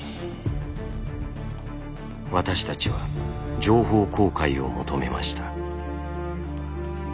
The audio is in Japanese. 私たちは情報公開を求めました。